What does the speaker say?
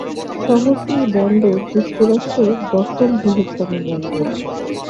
শহরটির বন্দর যুক্তরাষ্ট্রের দশম বৃহত্তম বন্দর।